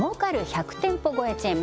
１００店舗超えチェーン